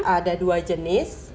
ada dua jenis